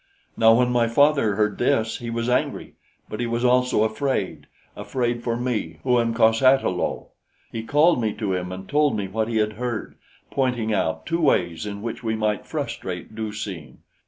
"Now, when my father heard this, he was angry; but he was also afraid afraid for me, who am cos ata lo. He called me to him and told me what he had heard, pointing out two ways in which we might frustrate Du seen.